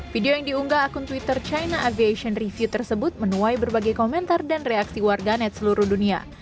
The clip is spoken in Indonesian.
video yang diunggah akun twitter china aviation review tersebut menuai berbagai komentar dan reaksi warga net seluruh dunia